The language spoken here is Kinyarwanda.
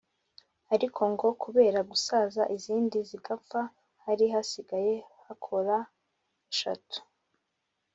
ariko ngo kubera gusaza izindi zigapfa hari hasigaye hakora eshatu